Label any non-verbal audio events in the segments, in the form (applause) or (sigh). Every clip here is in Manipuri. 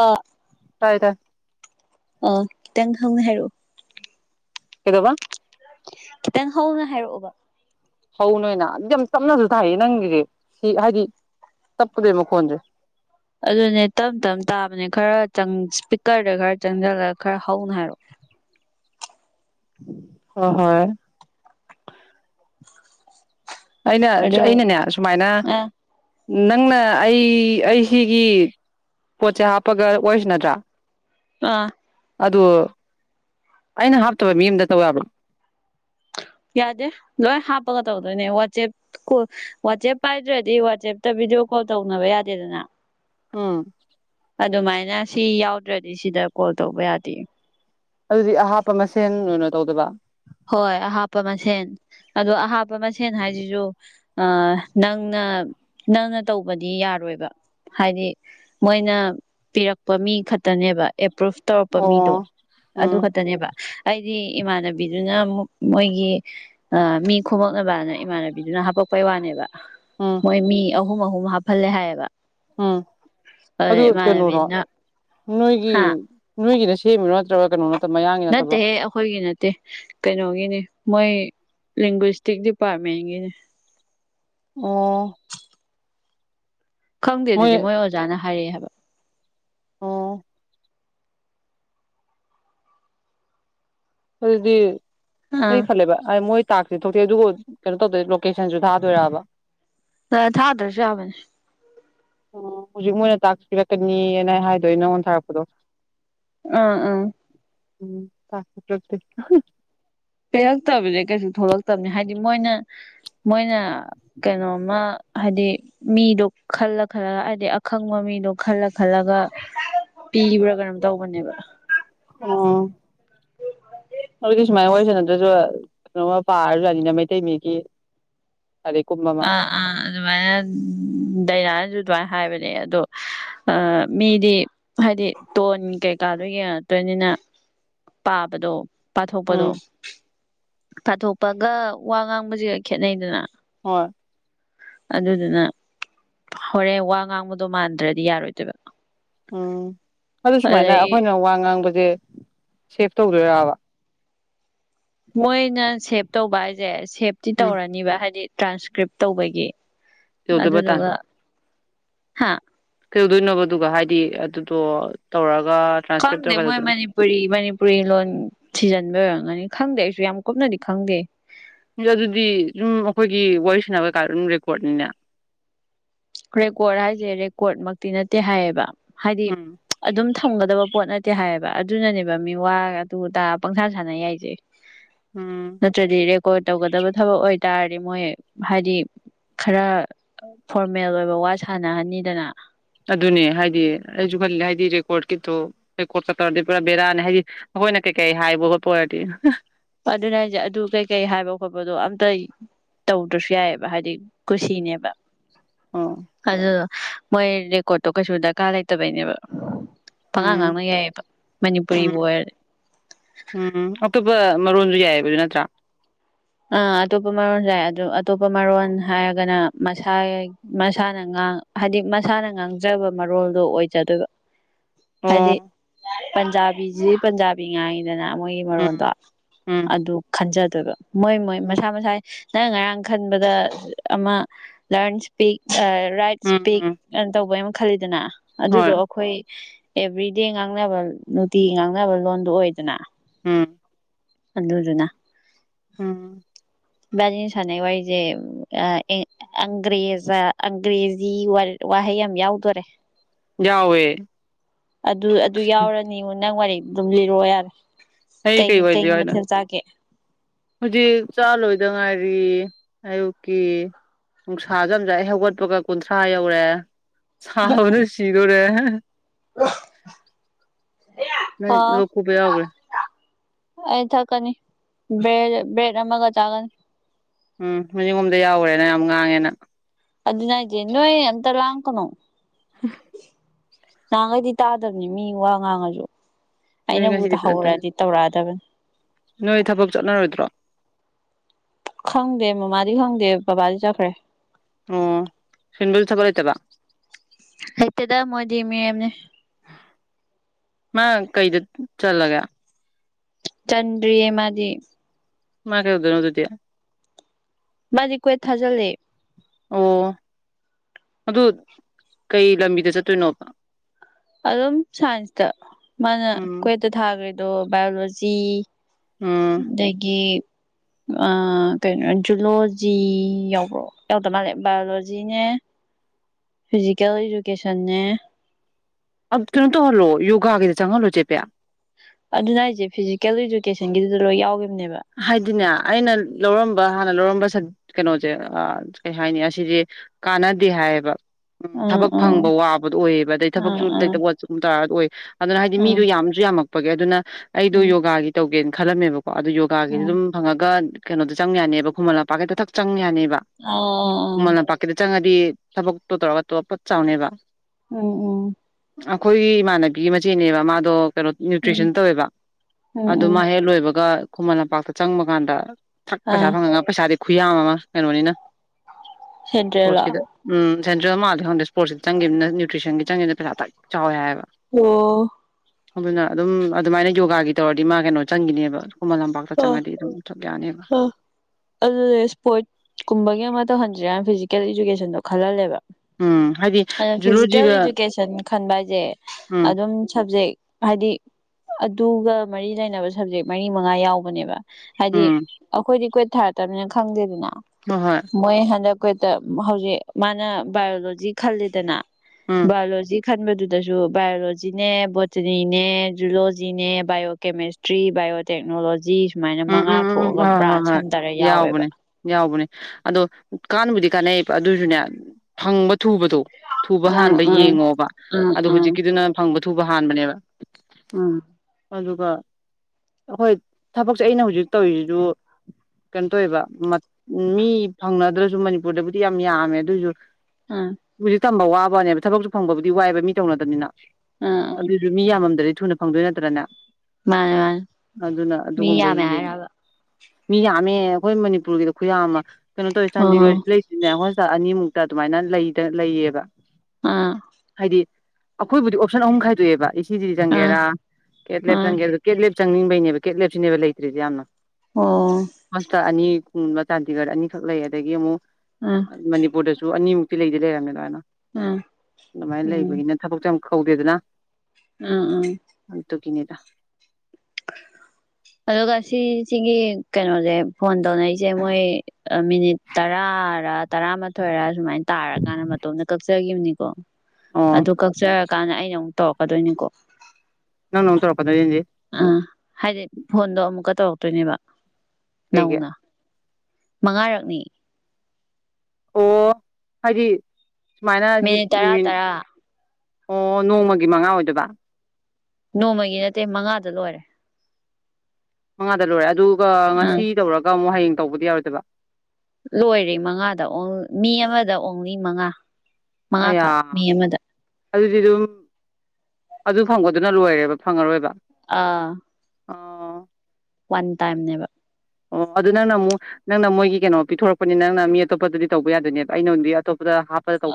ꯑꯥ ꯇꯥꯏ ꯇꯥꯢ ꯑꯥ ꯈꯤꯇꯪ ꯈꯧꯅ ꯍꯥꯏꯔꯛꯑꯣ ꯀꯩꯗꯧꯕ ꯈꯤꯇꯪ ꯍꯧꯅ ꯍꯥꯏꯔꯛꯑꯣꯕ ꯍꯧ ꯅꯣꯏꯅ ꯌꯥꯝ ꯇꯞꯅꯁꯨ ꯊꯥꯏꯌꯦ ꯅꯪꯒꯤꯁꯦ ꯁꯤ ꯍꯥꯏꯗꯤ ꯇꯞꯄꯗꯣ ꯃꯈꯣꯟꯁꯦ ꯑꯗꯨꯅꯦ ꯇꯞ ꯇꯞ ꯇꯥꯕꯅꯦ ꯈꯔ ꯆꯪ ꯏꯁꯄꯤꯀꯔꯗ ꯈꯔ ꯆꯪꯁꯤꯜꯂꯒ ꯈꯔ ꯍꯧꯅ ꯍꯥꯏꯔꯛꯑꯣ ꯑ ꯍꯣꯏ ꯍꯣꯢ ꯑꯩꯅ ꯑꯗꯣ ꯑꯩꯅꯅꯦ ꯁꯨꯃꯥꯏꯅ ꯑꯥ ꯅꯪꯅ ꯑꯩ ꯑꯩ ꯁꯤꯒꯤ ꯄꯣꯠꯁꯦ ꯍꯥꯞꯄꯒ ꯋꯥꯔꯤ ꯁꯅꯗꯔꯥ ꯑꯥ ꯑꯗꯨ ꯑꯩꯅ ꯍꯥꯞꯇꯕ ꯃꯤ ꯑꯃꯗ ꯇꯧ ꯋꯥꯕ꯭ꯔꯣ ꯌꯥꯗꯦ ꯂꯣꯏ ꯍꯥꯞꯄꯒ ꯇꯧꯗꯣꯏꯅꯦ ꯋꯥꯆꯦꯞ ꯋꯥꯆꯦꯞ ꯄꯥꯏꯗ꯭ꯔꯗꯤ ꯋꯥꯆꯦꯞꯇ ꯚꯤꯗꯤꯑꯣ ꯀꯣꯜ ꯇꯧꯅꯕ ꯌꯥꯗꯦꯗꯅ ꯑꯥ ꯑꯗꯨꯃꯥꯏꯅ ꯁꯤ ꯌꯥꯎꯗ꯭ꯔꯗꯤ ꯁꯤꯗ ꯀꯣꯜ ꯇꯧꯕ ꯌꯥꯗꯦ ꯑꯗꯨꯗꯤ ꯑꯍꯥꯞꯄ ꯃꯁꯦꯟ ꯀꯩꯅꯣ ꯇꯧꯗꯕ ꯍꯣꯏ ꯑꯍꯥꯞꯄ ꯃꯁꯦꯟ ꯑꯗꯣ ꯑꯍꯥꯞꯄ ꯃꯁꯦꯟ ꯍꯥꯏꯁꯤꯁꯨ ꯅꯪꯅ ꯅꯪꯅ ꯇꯧꯕꯗꯤ ꯌꯥꯔꯣꯏꯕ ꯍꯥꯏꯗꯤ ꯃꯣꯏꯅ ꯄꯤꯔꯛꯄ ꯃꯤ ꯈꯛꯇꯅꯦꯕ ꯄ꯭ꯔꯨꯐ ꯇꯧꯔꯛꯄ ꯑꯣ ꯃꯤꯗꯣ ꯑꯗꯨ ꯎꯝ ꯈꯛꯇꯅꯦꯕ ꯑꯩꯗꯤ ꯏꯃꯥꯅꯕꯤ ꯕꯤꯗꯨꯅ ꯑꯃꯨꯛ ꯃꯣꯏꯒꯤ ꯃꯤ ꯈꯣꯃꯛꯅꯕꯅ ꯏꯃꯥꯟꯅꯕꯤꯗꯨꯅ ꯍꯥꯄꯛꯄꯩ ꯋꯥꯅꯦꯕ ꯎꯝ ꯃꯣꯏ ꯃꯤ ꯑꯍꯨꯝ ꯑꯍꯨꯝ ꯍꯥꯞꯍꯜꯂꯦ ꯍꯥꯏꯌꯦꯕ ꯎꯝ ꯑꯗꯨꯗ ꯑꯗꯨ ꯀꯅꯨꯣ ꯏꯃꯥꯟꯅꯕꯤꯅ ꯅꯣꯏꯒꯤ ꯍꯥ ꯅꯣꯏꯒꯤ ꯔꯦꯁ (unintelligible) ꯅꯠꯇꯦꯍꯦ ꯑꯩꯈꯣꯏꯒꯤ ꯅꯠꯇꯦ ꯀꯩꯅꯣꯒꯤꯅꯤ ꯃꯣꯏ ꯂꯦꯡꯒ꯭ꯁꯇꯤꯛ ꯗꯤꯄꯥꯔꯠꯃꯦꯟꯒꯤꯅꯦ (unintelligible) ꯈꯪꯗꯦ ꯑꯗꯨꯗꯤ ꯃꯣꯏ ꯑꯣꯖꯥꯅ ꯍꯥꯏꯔ ꯍꯥꯏꯕ ꯎꯝ ꯑꯗꯨꯗꯤ ꯁ ꯈꯂꯦꯕ ꯃꯣꯏ ꯇꯥꯛꯇꯦ ꯊꯣꯛꯇꯦ ꯑꯗꯨ ꯀꯩꯅꯣ ꯇꯧꯗꯦ ꯂꯣꯀꯦꯁꯟꯁꯨ ꯊꯥꯗꯣꯏꯔꯕ ꯑ ꯊꯥꯗ꯭ꯔꯁꯨ ꯌꯥꯕꯅꯤ ꯑꯣ ꯍꯧꯖꯤꯛ ꯃꯣꯏꯅ ꯇꯥꯛꯄꯤꯔꯛꯀꯅꯤꯅ ꯍꯥꯏꯗꯣꯏ ꯅꯪꯉꯣꯟ ꯊꯥꯔꯛꯄꯗꯣ ꯑꯥ ꯑꯥ ꯎꯝ ꯇꯇ (unintelligible) ꯄꯤꯔꯛꯇꯕꯅꯦ ꯀꯩꯁꯨ ꯊꯣꯛꯂꯛꯇꯕꯅꯤ ꯍꯥꯏꯗꯤ ꯃꯣꯏꯅ ꯃꯣꯏꯅ ꯀꯩꯅꯣꯃ ꯍꯥꯏꯗꯤ ꯃꯤꯗꯣ ꯈꯜꯂ ꯈꯜꯂꯒ ꯍꯥꯏꯗꯤ ꯑꯈꯪꯕ ꯃꯤꯗꯣ ꯈꯜꯂ ꯈꯜꯂꯒ ꯄꯤꯕ꯭ꯔꯥ ꯀꯩꯅꯣꯝ ꯇꯧꯕꯅꯦꯕ ꯑꯣ ꯑꯗꯨꯗꯒꯤ ꯁꯨꯃꯥꯏꯅ ꯋꯥꯔꯤ ꯁꯥꯟꯅꯗ꯭ꯔꯁꯨ ꯀꯩꯅꯣꯃ ꯄꯥꯔ ꯌꯥꯅꯤꯅ ꯃꯩꯇꯩ ꯃꯤꯒꯤ ꯑꯥ ꯑꯥ ꯑꯗꯨꯃꯥꯏꯅ ꯗꯥꯏꯅꯥꯅꯁꯨ ꯑꯗꯨꯃꯥꯏꯅ ꯍꯥꯏꯕ ꯑꯗꯣ ꯃꯤꯗꯤ ꯍꯥꯏꯗꯤ ꯇꯣꯟ ꯀꯩꯀꯥꯗꯣ ꯌꯦꯡꯉꯛꯇꯣꯏꯅꯤꯅ ꯄꯥꯕꯗꯣ ꯄꯥꯊꯣꯛꯄꯗꯣ ꯎꯝ ꯄꯥꯊꯣꯛꯄꯒ ꯋꯥ ꯉꯥꯡꯕꯁꯦ ꯈꯦꯠꯅꯩꯗꯅ ꯍꯣꯏ ꯑꯗꯨꯗꯨꯅ ꯍꯣꯔꯦꯟ ꯋꯥ ꯉꯥꯡꯕꯗꯣ ꯃꯥꯟꯗ꯭ꯔꯗꯤ ꯌꯥꯔꯣꯏꯗꯣꯏꯕ ꯎꯝ ꯑꯗꯨ ꯁꯨꯃꯥꯏꯅ ꯑꯗꯩ ꯑꯩꯈꯣꯏꯅ ꯋꯥ ꯉꯥꯡꯕꯁꯨ ꯁꯦ ꯁꯦꯚ ꯇꯧꯗꯨꯢꯔꯕ ꯃꯣꯏꯅ ꯁꯦꯞ ꯇꯧꯕ ꯍꯥꯏꯁꯦ ꯁꯦꯞꯇꯤ ꯎꯝ ꯇꯧꯔꯅꯤꯕ ꯍꯥꯏꯗꯤ ꯇ꯭ꯔꯥꯟꯁꯀ꯭ꯔꯤꯞ ꯇꯧꯕꯒꯤ ꯀꯩꯗꯧꯗꯣꯏꯕ ꯇꯥꯟ ꯑꯗꯨꯗꯨꯒ ꯍꯥꯥ ꯀꯩꯗꯧꯗꯣꯏꯅꯣꯕꯗꯨ ꯍꯥꯏꯗꯤ ꯑꯗꯨꯗꯣ ꯇꯧꯔꯒ ꯇ꯭ꯔꯥꯟꯁꯀ꯭ꯔꯤꯞ ꯈꯪꯗꯦ ꯇꯧꯔꯒ ꯃꯣꯏ ꯀꯩꯗꯧꯗꯣꯏꯅꯣ ꯃꯅꯤꯄꯨꯔꯤ ꯃꯅꯤꯄꯨꯔꯤ ꯂꯣꯟ ꯊꯤꯖꯤꯟꯕ ꯑꯣꯏꯔꯝꯒꯅꯤ ꯈꯪꯗꯦ ꯑꯩꯁꯨ ꯌꯥꯝ ꯀꯨꯞꯅꯗꯤ ꯈꯥꯡꯗꯦ ꯑꯗꯨꯗꯤ ꯁꯨꯝ ꯑꯩꯈꯣꯏꯒꯤ ꯋꯥꯔꯤ ꯁꯥꯟꯅꯕ ꯀ ꯑꯗꯨꯝ ꯔꯦꯀꯣꯠꯅꯤꯅꯦ ꯔꯦꯀꯣꯠ ꯍꯥꯏꯁꯦ ꯔꯦꯀꯣꯠ ꯃꯛꯇꯤ ꯅꯠꯇꯦ ꯍꯥꯏꯌꯦꯕ ꯍꯥꯏꯗꯤ ꯎꯝ ꯑꯗꯨꯝ ꯊꯝꯒꯗꯕ ꯄꯣꯠ ꯅꯥꯠ ꯌꯥꯏꯌꯦꯕ ꯑꯗꯨꯅꯅꯦꯕ ꯃꯤ ꯋꯥ ꯑꯗꯨ ꯇ ꯄꯪꯁꯥꯟ ꯁꯥꯟꯅ ꯌꯥꯏꯁꯦ ꯎꯝ ꯅꯠꯇꯔꯗꯤ ꯔꯦꯀꯣꯠ ꯇꯧꯒꯗꯕ ꯊꯕꯛ ꯑꯣꯏ ꯇꯥꯔꯗꯤ ꯃꯣꯏ ꯍꯥꯏꯗꯤ ꯈꯔ ꯃꯦꯜ ꯑꯣꯏꯕ ꯋꯥ ꯁꯥꯟꯅꯍꯟꯅꯤꯗꯅ ꯑꯗꯨꯅꯦ ꯍꯥꯏꯗꯤ ꯑꯩꯁꯨ ꯈꯜꯂꯤꯅꯦ ꯍꯥꯏꯗꯤ ꯔꯦꯀꯣꯠꯀꯤ ꯔꯦꯀꯣꯠ ꯆꯠꯇꯧꯔꯗꯤ ꯄꯨꯔꯥ ꯕꯦꯔꯥꯅꯤ ꯍꯥꯏꯗꯤ ꯑꯩꯈꯣꯏꯅ ꯀꯩꯀꯩ ꯍꯥꯏꯕ ꯈꯣꯠꯄ ꯑꯣꯏꯔꯗꯤ ꯑꯗꯨꯅ ꯍꯥꯏꯁꯦ ꯑꯗꯨ ꯀꯩꯀꯩ ꯍꯥꯏꯕ ꯈꯣꯠꯄꯗꯣ ꯑꯝꯇ ꯇꯧꯗ꯭ꯔꯁꯨ ꯌꯥꯏꯑꯦꯕ ꯍꯥꯏꯗꯤ ꯀꯨꯁꯤꯅꯦꯕ ꯑꯣ ꯊꯖꯤꯜꯂꯣ ꯃꯣꯏ ꯔꯦꯀꯣꯠꯇꯣ ꯀꯩꯁꯨ ꯗꯔꯀꯥꯔ ꯂꯩꯇꯕꯩꯅꯦꯕ ꯄꯉꯥꯡ ꯎꯝ ꯉꯥꯡꯅ ꯌꯥꯏꯑꯕ ꯎꯝ ꯃꯅꯤꯄꯨꯔꯤꯕꯨ ꯑꯣꯏꯔꯗꯤ ꯎꯝ ꯑꯇꯣꯞꯄ ꯃꯔꯣꯟꯁꯨ ꯌꯥꯏꯑꯦꯕ ꯑꯗꯨ ꯅꯠꯇ꯭ꯔꯥ ꯑꯥ ꯑꯇꯣꯞꯄ ꯃꯔꯣꯜꯁꯨ ꯑꯗꯨ ꯑꯇꯣꯞꯄ ꯃꯔꯣꯜ ꯍꯥꯏꯔꯒꯅ ꯃꯁꯥ ꯃꯁꯥꯅꯤ ꯍꯥꯏꯗꯤ ꯃꯁꯥꯅ ꯉꯥꯡꯖꯕ ꯃꯔꯣꯜꯗꯣ ꯑꯣꯏꯖꯗꯣꯏꯕ ꯑꯣ ꯄꯥꯁꯤ ꯄ ꯗꯅ ꯃꯣꯏꯒꯤ ꯎꯝ ꯃꯔꯣꯟꯗꯣ ꯎꯝ ꯑꯗꯨ ꯈꯟꯖ ꯑꯗꯨꯒ ꯃꯣꯏ ꯃꯣꯏ ꯎꯝ ꯃꯁꯥ ꯃꯁꯥ ꯅꯪ ꯉꯔꯥꯡ ꯈꯟꯕꯗ ꯑꯃ learn speak write um speak um ꯇꯧꯕ ꯑꯃ ꯈꯜꯂꯤꯗꯅ ꯍꯣꯏ ꯑꯗꯨꯗꯣ ꯑꯩꯈꯣꯏ ꯑꯦꯕ꯭ꯔꯤꯗꯦ ꯉꯥꯡꯅꯕ ꯅꯨꯡꯇꯤꯒꯤ ꯉꯥꯡꯅꯕ ꯂꯣꯟꯗꯨ ꯑꯣꯏꯗꯅ ꯎꯝ ꯑꯗꯨꯗꯨꯅ ꯎꯝ ꯕꯥꯅꯤ ꯁꯥꯟꯅꯩ ꯋꯥꯁꯦ ꯑꯪꯒ꯭ꯔꯦꯖ ꯑꯪꯒ꯭ꯔꯦꯖꯤ ꯋꯥꯍꯩ ꯌꯥꯝ ꯌꯥꯎꯗꯣꯔꯦ ꯌꯥꯎꯋꯦ ꯑꯗꯨ ꯑꯗꯨ ꯌꯥꯎꯔꯅꯤꯉꯣꯟ ꯅꯪ ꯋꯥꯔꯤ ꯑꯗꯨꯝ ꯂꯤꯔꯛꯑꯣ ꯌꯥꯔꯦ ꯑꯩ ꯀꯩ ꯑꯣꯏꯗꯤ ꯀꯩ ꯌꯥꯎꯏꯅꯣ ꯃꯊꯦꯜ ꯆꯥꯒꯦ ꯍꯧꯖꯤꯛ ꯆꯥ ꯂꯣꯏꯗ ꯉꯥꯏꯔꯤ ꯑꯌꯨꯛꯀꯤ ꯅꯨꯡꯁꯥꯖꯝꯖꯥ ꯍꯧꯒꯠꯄꯒ ꯀꯨꯟꯊ꯭ꯔꯥ ꯌꯧꯔꯦ ꯁꯥꯕꯅꯦ ꯁꯤꯒꯔꯦ ꯎ ꯑ ꯅꯪ ꯂꯣꯛ ꯈꯨꯕ ꯌꯥꯎꯈ꯭ꯔꯦ ꯑꯩ ꯊꯀꯅꯤ ꯕ ꯕꯦꯠ ꯑꯃꯒ ꯆꯥꯒꯅꯤ ꯎꯝ ꯃꯖꯤꯤꯡꯒꯣꯝꯗ ꯌꯥꯎꯈꯔꯦꯅ ꯌꯥꯝ ꯉꯥꯡꯉꯦꯅ ꯑꯗꯨꯗ ꯅꯥꯏꯗꯦ ꯅꯣ ꯑꯦ ꯇꯂ ꯀꯅ ꯍ ꯅꯍꯥꯟꯈꯩꯗꯤ ꯇꯥꯗꯕꯅꯤ ꯃꯤ ꯋꯥ ꯉꯥꯡꯉꯁꯨ ꯅꯣꯏ ꯉꯁꯤꯗꯤ ꯑꯩꯅꯕꯨꯗ ꯐꯖꯅ ꯇꯥꯏ ꯍꯧꯔꯗꯤ ꯇꯧꯔꯛꯑꯗꯕꯅꯤ ꯅꯣꯏ ꯊꯕꯛ ꯆꯠꯅꯔꯣꯏꯗ꯭ꯔꯣ ꯈꯪꯗꯦ ꯃꯃꯥꯗꯤ ꯈꯪꯗꯦ ꯕꯕꯥꯗꯤ ꯆꯠꯈ꯭ꯔꯦ ꯑꯣ ꯁꯦꯟꯗꯔꯤ ꯊꯕꯔ ꯂꯩꯇꯕ ꯑꯗꯨ ꯃꯦꯝꯅꯦ ꯃ ꯀꯩꯗ ꯆꯜꯒ ꯇꯟꯔꯤꯌꯦ ꯃꯥꯗꯤ ꯃꯥ ꯀꯦꯗ ꯅꯗꯗꯦ ꯃꯥꯗꯤ ꯀꯋ ꯊꯥꯖꯂꯦ ꯑꯣ ꯑꯗꯨ ꯀꯩ ꯂꯝꯕꯤꯗ ꯆꯠꯇꯣꯏꯅꯣꯕ ꯑꯗꯨꯝ ꯁꯥꯏꯟꯁꯇ ꯃꯥꯅ ꯎꯝ ꯀꯣꯏꯠꯇ ꯊꯥꯈ꯭ꯔ ꯑꯗꯣ ꯕꯥꯏꯌꯑꯣꯂꯣꯖꯤ ꯎꯝ ꯑꯗꯒꯤ ꯀꯩꯅꯣ ꯖꯨꯂꯣꯖꯤ ꯌꯥꯎꯕ꯭ꯔꯣ ꯌꯥꯎꯗ ꯃꯥꯜꯂꯦ ꯕꯥꯏꯑꯣꯂꯣꯖꯤꯅꯦ ꯐꯤꯖꯤꯀꯦꯜ ꯏꯗꯨꯀꯦꯁꯟꯅꯦ ꯀꯩꯅꯣ ꯇꯧꯍꯜꯂꯣ ꯌꯣꯒꯥꯒꯤꯗ ꯆꯪꯍꯜꯂꯣ ꯆꯦꯄꯌꯥ ꯑꯗꯨꯅ ꯑꯩꯁꯦ ꯐꯤꯖꯤꯀꯦꯜ ꯏꯗꯨꯀꯦꯁꯟꯒꯤꯗꯨꯗ ꯂꯣꯏ ꯌꯥꯎꯒꯦ ꯍꯥꯏꯗꯤꯅꯦ ꯑꯩꯅ ꯂꯧꯔꯝꯕ ꯍꯥꯟꯅ ꯂꯧꯔꯝꯕ ꯀꯩꯅꯣꯁꯦ ꯀꯩ ꯍꯥꯏꯅꯤ ꯑꯁꯤꯁꯦ ꯀꯥꯟꯅꯗꯦ ꯍꯥꯏꯌꯦꯕ ꯎꯝ ꯊꯕꯛ ꯐꯪꯕ ꯋꯥꯕꯗꯣ ꯑꯣꯏꯌꯦꯕ ꯑꯗꯩ ꯎꯝ ꯊꯕꯛꯁꯨ ꯎꯝ ꯂꯩꯇ ꯋꯥꯠꯁꯨꯒꯨꯝ ꯇꯥꯔ ꯑꯣꯏꯕ ꯑꯗꯨꯅ ꯍꯥꯏꯗꯤ ꯃꯤꯗꯨꯣ ꯌꯥꯝꯗ꯭ꯔꯤ ꯌꯥꯝꯃꯛ ꯄꯒꯦ ꯑꯗꯨꯅ ꯑꯩꯗꯣ ꯌꯣꯒꯥꯒꯤ ꯇꯧꯒꯦꯅ ꯈꯜꯂꯝꯃꯦꯕꯀꯣ ꯑꯗꯨ ꯀꯀꯥꯒꯤꯁꯨ ꯑꯗꯨꯝ ꯐꯪꯉꯒ ꯀꯩꯅꯣ ꯆꯪ ꯌꯥꯅꯦꯕ ꯈꯨꯃꯍꯟꯂꯄꯥꯛꯩꯗ ꯊꯛ ꯆꯪ ꯕꯃ ꯂꯝꯄꯥꯛ ꯆ ꯗꯤ ꯊꯕꯛꯇꯣ ꯇꯧꯔꯒ ꯄꯣꯠ ꯆꯥꯎꯅꯦꯕ ꯑꯣꯝ ꯎꯝ ꯑꯩꯈꯣꯏꯒꯤ ꯏꯃꯥꯟꯅꯕꯤꯒꯤ ꯃꯆꯦꯅꯦꯕ ꯃꯥꯗꯣ ꯀꯩꯅꯣ ꯅ꯭ꯌꯨꯇ꯭ꯔꯤꯁꯟ ꯇꯧꯋꯦꯕ ꯑꯗꯨ ꯃꯥ ꯍꯦꯛ ꯂꯣꯏꯕꯒ ꯈꯨꯃꯟ ꯂꯝꯄꯥꯛꯇ ꯆꯪꯕ ꯀꯥꯟꯗ ꯊꯛ ꯄꯩꯁꯥ ꯐꯪꯉꯒ ꯄꯩꯁꯥꯗ ꯈꯨꯌꯥ ꯑꯃ ꯀꯩꯅꯣꯅꯤꯅ ꯁꯦꯟꯇ꯭ꯔꯦꯜꯂꯣ ꯑꯣꯗ ꯎꯝ ꯁꯦꯟꯇꯦꯜꯜꯂꯦꯪꯗ ꯁꯄꯣꯔꯠꯁꯤ ꯆꯪꯈꯤꯕꯅ ꯅ꯭ꯌꯇ꯭ꯔꯤꯁꯟꯒꯤ ꯆꯪꯁꯤꯅ ꯄꯁꯥꯥꯛ ꯆꯥꯎꯋ ꯍꯥꯏꯕ ꯑꯣ ꯑꯗꯨꯅ ꯑꯗꯨꯝ ꯑꯗꯨꯃꯥꯏꯅ ꯌꯣꯒꯥꯒꯤ ꯇꯧꯔꯗꯤ ꯃꯥ ꯀꯩꯅꯣ ꯆꯪꯈꯤꯅꯦꯕ ꯈꯨꯃꯟ ꯂꯝꯄꯥꯛꯇ ꯑ ꯆꯪꯉꯗꯤ ꯑꯗꯨꯝ ꯊꯛ ꯌꯥꯅꯦꯕ ꯑ ꯑꯗꯨ ꯁꯄꯣ ꯀꯨꯝꯕꯒ ꯃꯥ ꯍꯟꯖꯤꯔꯦ ꯐꯤꯖꯤꯀꯦꯜ ꯏꯖꯀꯦꯟꯣꯜꯍꯜꯂꯦꯕ ꯎꯝ ꯍꯥꯏꯗꯤ ꯑꯗꯣ ꯐꯤꯖꯤꯀꯦꯜ ꯖꯨꯂꯣꯖꯤꯒ ꯏꯗꯨꯀꯦꯁꯟ ꯈꯟꯕ ꯍꯥꯏꯁꯦ ꯎꯝ ꯑꯗꯨꯝ ꯁꯕꯖꯦꯛ ꯍꯥꯏꯗꯤ ꯑꯗꯨꯒ ꯃꯔꯤ ꯂꯩꯅꯕ ꯁꯕꯖꯦꯛ ꯃꯔꯤ ꯃꯉꯥ ꯌꯥꯎ ꯅꯦꯕ ꯍꯥꯏꯗꯤ ꯎꯝ ꯑꯩꯈꯣꯏꯗꯤꯀꯋ ꯊꯥꯔꯛꯇꯕꯅꯤꯅ ꯈꯪꯗꯦꯗꯅ ꯍꯣꯏ ꯍꯣꯏ ꯃꯣꯏꯍꯗ ꯑꯩ ꯍꯧꯖꯤꯛ ꯃꯥꯅ ꯕꯥꯏꯑꯣꯂꯣꯖꯤ ꯈꯜꯂꯤꯗꯅ ꯎꯝ ꯂꯣꯖꯤ ꯈꯟꯕꯗꯨꯗꯁꯨ ꯕꯥꯏꯑꯣꯂꯣꯖꯤꯅꯦ ꯕꯣꯇꯅꯤꯅꯦ ꯖꯨꯂꯣꯖꯤꯅꯦ ꯕꯥꯏꯑꯣ ꯀꯦꯃꯦꯁꯇ꯭ꯔꯤ ꯕꯥꯏꯑꯣ ꯇꯦꯛꯅꯣꯂꯣꯖꯤ ꯖꯤ ꯎꯝ ꯎꯝ ꯎꯝ ꯎꯝ ꯎ ꯍꯣꯏ ꯍꯣꯏ ꯌꯥꯎꯋꯦꯕ ꯌꯥꯎꯕꯅꯦ ꯌꯥꯎꯕꯅꯦ ꯑꯗꯣ ꯀꯥꯟꯕꯨꯗꯤ ꯀꯥꯟꯅꯩ ꯑꯗꯨꯁꯨꯅꯦ ꯐꯪꯕ ꯊꯨꯕꯗꯣ ꯊꯨꯕ ꯎꯝ ꯍꯥꯟꯕ ꯎꯝ ꯌꯦꯡꯉꯣꯕ ꯎꯝ ꯑꯗꯣ ꯎꯝ ꯍꯧꯖꯤꯛꯀꯤꯗꯨꯅ ꯐꯪꯕ ꯊꯨꯕ ꯍꯥꯟꯕꯅꯦꯕ ꯑꯥ꯫ ꯑꯗꯨꯒ ꯑꯩꯈꯣꯏ ꯊꯕꯛꯁꯦ ꯑꯩꯅ ꯍꯧꯖꯤꯛ ꯇꯧꯔꯤꯁꯤꯁꯨ ꯀꯩꯅꯣ ꯇꯧꯋꯦꯕ ꯃꯤ ꯐꯪꯅꯗ꯭ꯔꯁꯨ ꯃꯅꯤꯄꯨꯔꯗꯕꯨꯗꯤ ꯌꯥꯝ ꯌꯥꯝꯃꯦ ꯑꯗꯨꯑꯣꯏꯁꯨ ꯑꯥ꯫ ꯍꯧꯖꯤꯛ ꯇꯝꯕ ꯋꯥꯕꯅꯦꯕ ꯊꯕꯛꯁꯨ ꯐꯪꯕꯕꯨꯗꯤ ꯋꯥꯏꯑꯕ ꯃꯤ ꯇꯧꯅꯗꯝꯅꯤꯅ ꯫ ꯎꯝ ꯎꯝ ꯑꯗꯨꯗꯤ ꯃꯤꯌꯥꯝ ꯃꯝꯗ ꯔꯦ꯫ ꯊꯨꯅ ꯐꯪꯗꯣꯏ ꯅꯠꯇ꯭ꯔꯅ ꯫ ꯃꯥꯅꯤ ꯃꯥꯅꯤ ꯃꯤꯌꯥ ꯌꯦꯡ ꯃꯔꯕ ꯃꯤ ꯌꯥꯝꯃꯦ ꯑꯩꯈꯣꯏ ꯃꯅꯤꯄꯨꯔꯒꯤꯗ ꯈꯨꯌꯥꯝ ꯑꯃ ꯫ ꯀꯩꯅꯣ ꯇꯧꯋꯤ ꯑꯣ ꯆꯥꯟꯗꯤꯒꯔꯁꯤ ꯂꯩꯇꯦꯅꯦꯁꯄꯤꯇꯥꯜ ꯑꯅꯤꯃꯨꯛ ꯑꯗꯨꯃꯥꯏꯅ ꯂꯩꯗ ꯂꯩꯌꯦꯕ꯫ ꯑꯥ ꯍꯥꯏꯗꯤ ꯑꯩꯈꯣꯏꯕꯨꯗꯤ ꯑꯣꯞꯁꯟ ꯑꯍꯨꯝ ꯈꯥꯏꯗꯣꯛꯑꯦꯕ ꯊ ꯑꯥ ꯆꯪꯒꯦꯔ (unintelligible) ꯑꯥ ꯆꯪꯒꯦꯔ ꯀ ꯆꯪꯅꯤꯡꯕꯩꯅꯦꯕ ꯀꯦꯠꯂ ꯁꯤꯅꯕꯦ ꯂꯩꯇꯔꯤꯗꯤ ꯌꯥꯝꯅ (unintelligible) ꯎꯝ ꯑꯣ ꯃꯥ ꯆꯥꯟꯗꯤꯒꯔ ꯑꯅꯤꯈꯛ ꯂꯩ ꯑꯗꯒꯤ ꯑꯃꯨꯛ ꯎꯝ ꯃꯅꯤꯄꯨꯔꯗꯁꯨ ꯑꯅꯤ ꯐꯤ ꯂꯩꯗꯤ ꯂꯩꯝꯃꯦ ꯀꯅꯣ ꯎꯝ ꯑꯗꯨꯃꯥꯏꯅ ꯂꯩꯕꯒꯤꯅ ꯊꯕꯛ ꯆꯪ ꯀꯧꯗꯦꯗꯅ ꯑꯥ - ꯑꯥ꯫ ꯇꯅꯦꯗ ꯑꯗꯨꯒ ꯁꯤꯁꯤꯒꯤ ꯀꯩꯅꯣꯁꯦ ꯐꯣꯟ ꯇꯧꯅꯔꯤꯁꯦ ꯃꯣꯏ ꯃꯤꯅꯤꯠ ꯇꯔꯥꯔꯥ ꯇꯔꯥꯃꯥꯊꯣꯏꯔ ꯁꯨꯃꯥꯏꯅ ꯇꯥꯔꯀꯥꯟꯗ ꯃꯇꯣꯝꯗ ꯀꯛ ꯆꯒꯝꯅꯤꯀꯣ ꯑꯣ ꯑꯗꯨ ꯀꯛꯆꯔꯀꯥꯟꯗ ꯑꯩꯅ ꯑꯃꯨꯛ ꯇꯧꯔꯛꯀꯗꯣꯏꯅꯤꯀꯣ꯫ ꯅꯪꯅ ꯑꯃꯨꯛ ꯇꯧꯔꯛꯀꯗꯣꯏ ꯔꯦꯟꯖꯤ ꯑ ꯍꯥꯏꯗꯤ ꯐꯣꯟꯗꯣ ꯑꯃꯨꯀ ꯇꯧ ꯊꯅꯕ ꯀꯩꯒꯤ ꯅꯧꯅꯥ ꯃꯉꯥꯔꯛꯅꯤ꯫ ꯑꯣ ꯍꯥꯏꯗꯤ ꯁꯨꯃꯥꯏꯅꯥ ꯃꯤꯅꯤꯠ ꯇꯔꯥ ꯃꯤ ꯇꯔꯥ ꯑꯣ ꯅꯣꯡꯃꯒꯤ ꯃꯉꯥ ꯑꯣꯏꯗꯕ ꯅꯣꯡꯃꯒꯤ ꯅꯠꯇꯦ ꯃꯉꯥꯗ ꯂꯣꯏꯔꯦ ꯃꯉꯥꯗ ꯂꯣꯏꯔꯦ ꯑꯗꯨ ꯑꯗꯨꯒ ꯑꯥ ꯉꯁꯤ ꯇꯧꯔꯒ ꯑꯃꯨꯛ ꯍꯌꯦꯡ ꯇꯧꯕꯗꯤ ꯌꯥꯔꯣꯏꯗꯕ ꯂꯣꯏꯔꯦ ꯃꯉꯥꯗ ꯑꯣ ꯃꯤ ꯑꯃꯗ ꯑꯣꯡꯅꯤ ꯃꯉꯥ ꯃꯥ ꯑꯌꯥ ꯀꯥ ꯃꯤꯃꯗ ꯑꯗꯨꯗꯤ ꯑꯗꯨꯝ ꯑꯗꯨ ꯐꯪꯅꯗꯨꯅꯥ ꯂꯣꯏꯔꯦꯕ ꯐꯪꯉꯔꯣꯏꯕ ꯑꯥ ꯑꯥ ꯋꯥꯟ ꯇꯥꯏꯝꯅꯦꯕ ꯑꯣ ꯑꯗꯨ ꯅꯪꯅ ꯑꯃꯨꯛ ꯅꯪꯅ ꯃꯣꯏꯒꯤ ꯀꯩꯅꯣ ꯄꯤꯊꯣꯔꯛꯄꯅꯤ ꯅꯪꯅ ꯃꯤ ꯑꯇꯣꯞꯄꯗꯗꯤ ꯇꯧꯕ ꯌꯥꯗꯣꯏꯅꯦꯕ ꯑꯩꯩꯅꯣꯟꯗꯤ ꯑꯇꯣꯞꯄ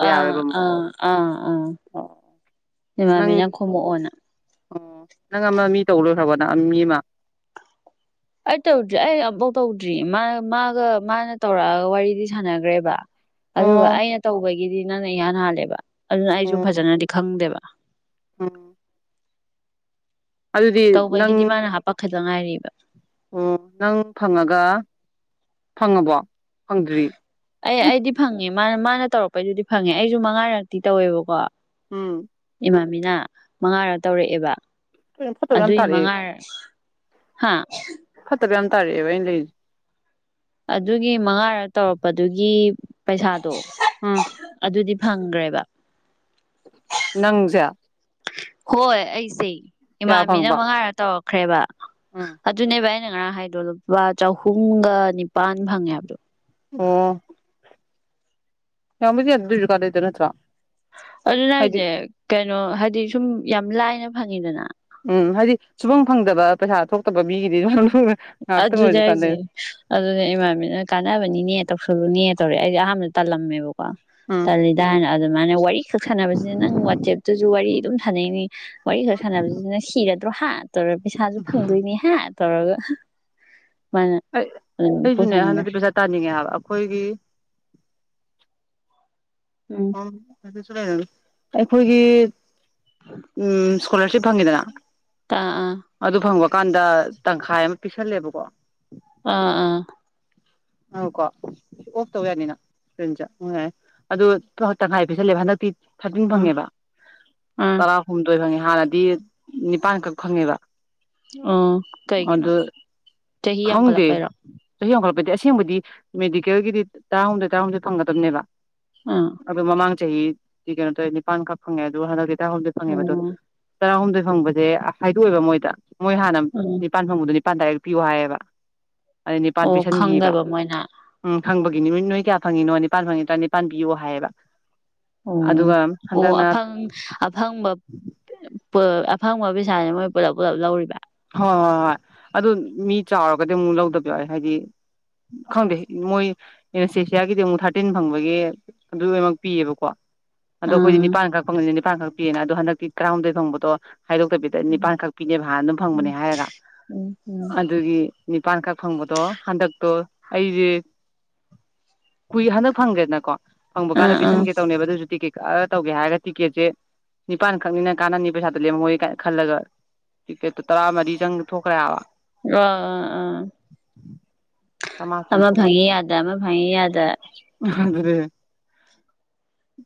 ꯑꯥ ꯑꯥ ꯑꯥ ꯑꯥ ꯑꯣ ꯅꯪ ꯑꯦꯃꯥꯟꯕꯤꯅ ꯈꯣꯝꯃꯥꯛꯑꯣꯅ ꯑꯣ ꯅꯪ ꯑꯃ ꯃꯤ ꯇꯧ ꯂꯣꯏꯈ꯭ꯔꯕ ꯅꯪ ꯃꯤ ꯑꯃ ꯑꯩ ꯇꯧꯗ꯭ꯔꯤ ꯑꯩ ꯑꯃꯐꯥꯎ ꯇꯧꯗ꯭ꯔꯤ ꯃꯥ ꯃꯥꯒ ꯃꯥꯅ ꯇꯧꯔꯛꯑꯒ ꯋꯥꯔꯤꯗꯤ ꯁꯥꯟꯅꯈ꯭ꯔꯦꯕ ꯑꯗꯨꯒ ꯑꯣ ꯑꯩꯅ ꯇꯧꯕꯒꯤꯗꯤ ꯅꯪ ꯅꯥ ꯏꯌꯍꯟ ꯍꯥꯂꯦꯕ ꯑꯗꯨꯅ ꯑꯩꯁꯨ ꯐꯖꯅꯗꯤ ꯈꯪꯗꯦꯕ ꯑꯣꯝ ꯑꯗꯨꯗꯤ ꯅꯪ ꯇꯧꯕꯒꯤꯗꯤ ꯃꯥꯅ ꯍꯥꯄꯛꯈꯗ ꯉꯥꯏꯔꯤꯕ ꯑꯣ ꯅꯪ ꯐꯪꯉꯒ ꯐꯪꯉꯕꯣ ꯐꯪꯗ꯭ꯔꯤ ꯑꯩ ꯎꯝ ꯑꯩꯗꯤ ꯐꯪꯉꯦ ꯃꯥꯅ ꯃꯥꯅ ꯇꯧꯔꯛꯄꯩꯗꯨꯗꯤ ꯐꯪꯉꯦ ꯑꯩꯁꯨ ꯃꯉꯥꯔꯛꯇꯤ ꯇꯧꯔꯦꯕꯀꯣ ꯎꯝ ꯏꯃꯥꯃꯤꯅ ꯃꯉꯥꯔꯛ ꯇꯧꯔꯛꯑꯦꯕ (inaudible) ꯀꯩꯅꯣ ꯐꯠꯇꯕ ꯌꯥꯝ ꯇꯥꯔꯛꯑꯦ ꯇꯥꯔꯛ ꯑꯕꯥ ꯑꯩꯅꯥ ꯂꯩꯔꯤꯁꯦ ꯑꯗꯨꯒꯤ ꯃꯉꯥꯔꯛ ꯇꯧꯔꯛꯄꯗꯨꯒꯤ ꯄꯩꯁꯥ ꯗꯣ ꯎꯝ ꯑꯗꯨꯗꯤ ꯐꯪꯈ꯭ꯔꯦꯕ ꯅꯪꯁꯦ ꯍꯣꯏ ꯑꯩꯁꯦ ꯀꯌꯥ ꯏꯃꯥꯟꯕꯤꯅ ꯐꯪꯕ ꯃꯉꯥꯔꯛ ꯇꯧꯔꯛ ꯈ꯭ꯔꯦꯕ ꯎꯝ ꯑꯗꯨꯅꯦꯕ ꯑꯩꯅꯥ ꯉꯥꯔꯟ ꯍꯥꯏꯗꯣ ꯂꯨꯄꯥ ꯆꯍꯨꯝꯒ ꯅꯤꯄꯥꯟ ꯐꯪꯉꯦ ꯍꯥꯏꯕꯗꯣ ꯑꯣ ꯌꯥꯝ ꯑꯗꯨꯁꯨꯀꯗꯗ ꯅꯠꯇ꯭ꯔ ꯑꯗꯨ ꯅꯦ ꯍꯥꯢꯁꯦ ꯀꯩꯅꯣ ꯍꯥꯏꯗꯤ ꯁꯨꯝ ꯌꯥꯝ ꯂꯥꯏꯅ ꯐꯪꯉꯤꯗꯅ ꯎꯝ ꯍꯥꯏꯗꯤ ꯁꯨꯐꯝ ꯐꯪꯗꯕ ꯄꯩꯁꯥ ꯊꯣꯛꯇꯕ ꯃꯤꯒꯤꯗꯤ ꯉꯥꯏꯍꯥꯛꯇꯪ ꯑꯗꯨꯅꯦ ꯑꯣꯏꯔꯁꯨ ꯀꯥꯟꯅꯩ ꯑꯩꯁꯦ ꯑꯗꯨꯅꯦ ꯏꯃꯥꯟꯕꯤꯅ ꯀꯥꯟꯅꯕꯅꯤꯅꯦ ꯇꯧꯁꯜꯂꯨꯅꯦ ꯇꯧꯔꯛꯦ ꯑꯩꯁ ꯑꯍꯥꯟꯕꯗ ꯇꯜꯂꯝꯃꯦꯕꯣ ꯎꯝ ꯇꯜꯂꯤꯗꯥ ꯍꯥꯏꯅ ꯑꯗꯨꯝ ꯃ ꯋꯥ ꯋꯥꯔꯤ ꯁꯛ ꯁꯥꯟꯅꯕꯁꯤꯅ ꯅꯪ ꯋꯥꯆꯦꯞꯇꯁꯨ ꯋꯥꯔꯤ ꯑꯗꯨꯝ ꯁꯥꯟꯅꯩꯅꯤ ꯋꯥꯔꯤ ꯁꯥꯟꯅꯕꯁꯤꯅ ꯁꯤꯔ ꯠꯇ꯭ꯔꯣ ꯍꯥ ꯇꯧꯔꯦ ꯄꯩꯁꯥꯁꯨ ꯐꯪꯗꯣꯏꯅꯦ ꯍꯥꯏ ꯇꯧꯔꯒ ꯑꯩ ꯑꯗꯨꯝ ꯑꯩꯁꯨꯅꯦ ꯄꯨꯁꯟꯈ꯭ꯔꯦ ꯍꯟꯗꯛꯇꯤ ꯄꯩꯁꯥ ꯇꯥꯅꯤꯡꯉꯦ ꯍꯥꯏꯕ ꯑꯩꯈꯣꯏꯒꯤ ꯎꯝ ꯑꯣ ꯐ (unintelligible) ꯑꯩꯈꯣꯏꯒꯤ ꯎꯝ ꯏꯁꯀꯣꯂꯔꯁꯤꯞ ꯐꯪꯉꯤꯗꯅ ꯇꯥ ꯑꯥ ꯑꯗꯨ ꯐꯪꯕ ꯀꯥꯟꯗ ꯇꯪꯈꯥꯏ ꯑꯃ ꯄꯤꯁꯜꯂꯦꯕꯀꯣ ꯑꯥ ꯑꯥ ꯑ ꯀꯣ ꯁꯤ ꯑꯣꯐ ꯇꯧ ꯌꯥꯅꯤꯅ ꯐ꯭ꯔꯤꯖꯁ ꯎ ꯌꯥ ꯑꯗꯨ ꯇꯪꯈꯥꯏ ꯄꯤꯁꯜꯂꯦꯕ ꯍꯟꯗꯛꯇꯤ ꯊꯥꯔꯇꯤꯟ ꯑꯥ ꯐꯪꯉꯦꯕ ꯑꯥ ꯇꯔꯥꯍꯨꯝꯗꯣꯏ ꯐꯪꯉꯦ ꯍꯥꯟꯅꯗꯤ ꯅꯤꯄꯥꯟꯈꯛ ꯈꯪꯉꯦꯕ ꯑꯣ ꯀꯩꯒꯤꯅꯣ ꯆꯍꯤ ꯈꯪꯗꯦ ꯌꯥꯝꯈꯠꯂꯛꯄꯩꯔꯣ ꯆꯍꯤ ꯍꯣꯡꯒꯄꯗꯤ ꯑꯁꯦꯡꯕꯗꯤ ꯃꯦꯗꯤꯀꯦꯜꯒꯤꯗꯤ ꯇꯔꯥꯍꯨꯝꯗꯣꯏ ꯇꯔꯥꯍꯨꯝꯗꯣꯏ ꯐꯪꯒꯗꯕꯅꯦꯕ ꯑꯥ ꯑ ꯃꯃꯥꯡꯒ ꯆꯥ ꯊ ꯀꯩꯅꯅꯣ ꯇꯅꯤ ꯄꯥꯟ ꯈꯛ ꯈꯉꯦ ꯑꯗꯨ ꯍ ꯍꯗ ꯐꯪꯉꯦꯕ ꯑꯗꯨ ꯎꯝ ꯇꯔꯥꯍꯨꯝꯗꯣꯏ ꯐꯪꯕꯁꯦ ꯑꯁꯥꯏꯗꯑꯕ ꯃꯣꯏꯗ ꯃꯣꯏ ꯍꯥꯟꯅ ꯎꯝ ꯅꯤꯄꯥꯟ ꯐꯪꯕꯗꯗꯤ ꯄꯥꯟ ꯇꯗꯥꯏꯔꯛ ꯄꯤꯌꯨ ꯍꯥꯏꯌꯦꯕ ꯑꯗꯩ ꯅꯤꯄꯥꯟ ꯑꯣ ꯄꯤꯤꯁꯟꯈꯤꯕ ꯈꯪꯗꯕ ꯃꯣꯏꯅ ꯈꯪꯕꯒꯤ ꯅꯨꯃꯤꯠ ꯅꯣꯏ ꯀꯌꯥ ꯐꯪꯉꯤꯅꯣ ꯅꯤꯄꯥꯜ ꯐꯪꯉꯤ ꯇ꯭ꯔꯥ ꯅꯤꯄꯥꯜ ꯄꯤꯌꯣ ꯍꯥꯏꯌꯦꯕ ꯑꯣ ꯑꯗꯨꯒ ꯑꯣ ꯍꯟꯗꯛꯅ ꯑꯐꯪ ꯑꯐꯪꯕ ꯑꯐꯪꯕ ꯄꯩꯁꯥꯥꯁꯦ ꯃꯣꯏ ꯄꯨꯂꯞ ꯄꯨꯂꯞ ꯂꯧꯔꯤꯕ ꯍꯣꯏ ꯍꯣꯏ ꯍꯣꯏ ꯑꯗꯨ ꯃꯤ ꯆꯥꯎꯔꯒꯗꯤ ꯑꯃꯨꯛ ꯂꯧꯗꯕ ꯌꯥꯎꯋꯦ ꯍꯥꯏꯗꯤ ꯈꯪꯗꯦ ꯃꯣꯏ ꯑꯦꯁꯦꯁꯤꯌꯥꯒꯤꯗꯤ ꯑꯃꯨꯛ ꯊꯥꯔꯇꯤꯟ ꯐꯪꯕꯒꯤ ꯑꯗꯨ ꯂꯣꯏꯅꯃꯛ ꯄꯤꯌꯦꯕꯀꯣ ꯑꯗꯣ ꯎꯝ ꯑꯩꯈꯣꯏꯅꯤꯄꯥꯟ ꯈꯛ ꯐꯪ ꯆꯥꯡꯈꯛꯤꯑꯅ ꯑꯗꯣꯟꯛꯤ ꯇꯔꯥꯍꯨꯝꯗꯣꯏ ꯐꯪꯕꯗꯣ ꯍꯥꯏꯗꯣꯛꯇꯕꯤꯗ ꯅꯤꯄꯥꯟꯈꯛ ꯄꯤꯅꯦꯕꯚ ꯑꯗꯨ (inaudible) ꯎꯝ ꯎꯝ ꯅꯤꯄꯥꯟꯈꯛ ꯐꯪꯕꯗꯣ ꯍꯟꯗꯛꯇꯣ ꯑꯩꯁꯦ ꯀꯨꯏ ꯍꯟꯗꯛ ꯐꯪꯗ꯭ꯔꯦꯗꯅꯀꯣ ꯐꯪꯕ ꯎꯝ ꯀꯥꯟꯗ ꯎꯝ ꯎꯝ ꯄꯤꯁꯟꯒꯦ ꯇꯧꯅꯦꯕ ꯑꯗꯨꯁꯨꯤꯩ ꯀꯛꯑꯒ ꯇꯧꯒꯦ ꯍꯥꯏꯔꯒ ꯇꯤꯛꯀꯦꯠꯁꯦ ꯅꯤꯄꯥꯟ ꯈꯛꯅꯤꯅ ꯀꯥꯟꯅꯅꯤ ꯄꯩꯁꯥꯗ ꯂꯦꯝꯃꯍꯣꯏ ꯀꯥꯏꯅ ꯈꯜꯂꯒ ꯐꯦꯠꯇꯨ ꯇꯔꯥ ꯃꯔꯤ ꯆꯪ ꯊꯣꯛꯈ꯭ꯔꯦꯕ ꯑ ꯑ ꯑꯥ ꯆꯥꯝꯃꯉꯥ ꯑꯃ ꯆꯪꯊꯣꯛꯈ꯭ꯔꯦ ꯐꯪꯉꯤ ꯌꯥꯗ ꯑꯃ ꯐꯪꯉꯤ ꯌꯥꯗ ꯑꯗꯨ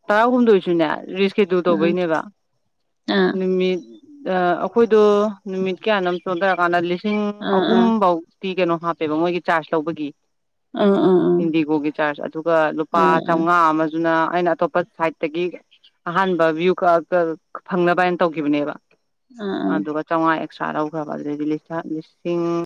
ꯇꯔꯥꯍꯨꯝꯗꯣꯏ ꯑꯣꯏꯁꯨꯅꯦ ꯁꯦꯗꯨꯎ ꯎꯝ ꯗꯧꯕꯩꯅꯦꯕ ꯑꯥ ꯅꯨꯃꯤꯠ ꯑ ꯑꯩꯈꯣꯏꯗꯣ ꯅꯨꯃꯤꯠ ꯀꯌꯥ ꯅꯝ ꯆꯧꯗꯔ ꯀꯥꯟ ꯂꯤ ꯆꯁꯤꯡ ꯑꯥ ꯑꯥ ꯑꯍꯨꯝꯐꯥꯎ ꯇꯤ ꯀꯩꯅꯣ ꯍꯥꯞꯄꯦꯕ ꯃꯣꯏꯒꯤ ꯆꯥꯔꯖ ꯂꯧꯕꯒꯤ ꯑꯥ ꯑꯥ ꯑꯥ ꯍꯤꯟꯗꯤ ꯀꯣꯒꯒꯤ ꯆꯥ ꯆ ꯑꯗꯨꯒ ꯂꯨꯄꯥ ꯑꯥ ꯑꯥ ꯆꯥꯝꯃꯉꯥ ꯑꯃꯁ ꯑꯗꯨꯅ ꯑꯩꯅ ꯑꯇꯣꯞꯄ ꯁꯥꯏꯗꯠꯇꯒꯤ ꯑꯍꯥꯟꯕ ꯚ꯭ꯌꯨ ꯀ ꯐꯪꯅꯕ ꯍꯥꯏꯅ ꯇꯧꯈꯤꯕꯅꯦꯕ ꯑꯥ ꯑꯥ ꯑꯗꯨꯒ ꯆꯥꯝꯃꯉꯥ ꯑꯦꯛꯁꯇ꯭ꯔꯥ ꯂꯧꯈ꯭ꯔꯕ ꯑꯗꯨꯗꯤ ꯂꯤꯁꯤꯡ